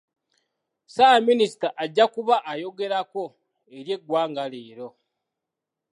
Ssaabaminisita ajja kuba ayogerako eri eggwanga leero.